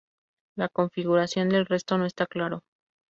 La configuración del resto no está claro.